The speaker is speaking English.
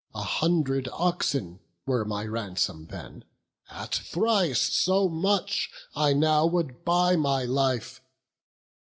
A hundred oxen were my ransom then; At thrice so much I now would buy my life.